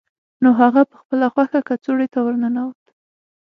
نو هغه په خپله خوښه کڅوړې ته ورننوته